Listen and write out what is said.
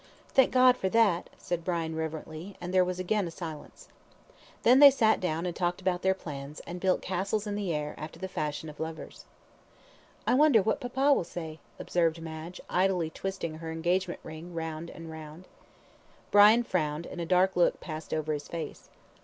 "Thank God for that," said Brian, reverently, and there was again a silence. Then they sat down and talked about their plans, and built castles in the air, after the fashion of lovers. "I wonder what papa will say?" observed Madge, idly twisting her engagement ring round and round. Brian frowned, and a dark look passed over his face.